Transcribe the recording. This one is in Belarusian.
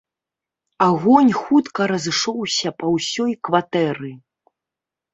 Агонь хутка разышоўся па ўсёй кватэры.